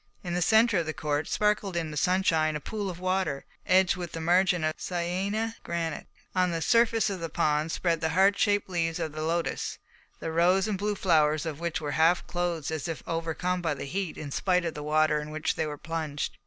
In the centre of the court sparkled in the sunshine a pool of water, edged with a margin of Syêné granite. On the surface of the pond spread the heart shaped leaves of the lotus, the rose and blue flowers of which were half closed as if overcome by the heat in spite of the water in which they were plunged.